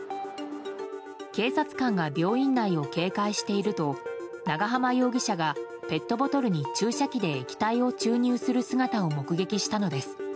警察官が病院内を警戒していると長浜容疑者がペットボトルに注射器で液体を注入する姿を目撃したのです。